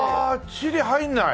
チリ入んない？